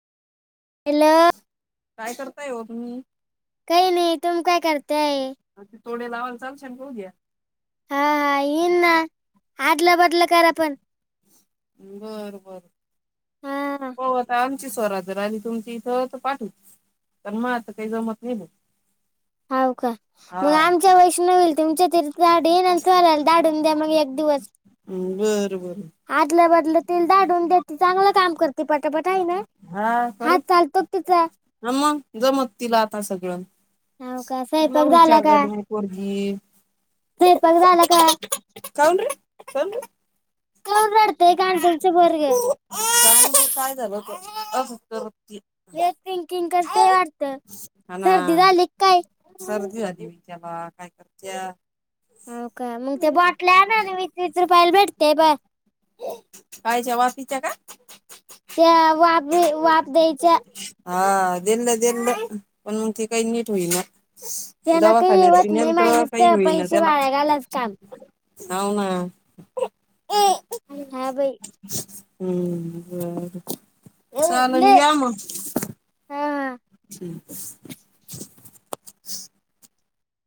काय करताय हो तुम्ही काही नाही तुम काय करताय ते तोडे लावायला चाल बू घ्या हा हा येईन ना आदला बदलं कर आपण बर बर ब आता आमची स्वराजर आली तुमची इथं तर पाठव पण मग आता काही जमत नाही ब हा बर बर हा हा चालतो तिचा ह मग जमत तिला आता सगळं त विचारलं पोरगी कावल कावल काय झालं क दररोज कीर किर करतय वाटत सर्दी झाली काय सर्दी आली त्या बाळाला काय करत्या हो का मग ते बॉटले आहे ना वीस वीस रुपयाला भेटते ब काय ज वीच्या काय त्या वाप वाप द्यायच्या हा देलं दिलल पण मग ते काही नीट होईलना दवाखानण्याची काही होईल ना त्या हाना हा भाई हुम्म बर बर द्या मग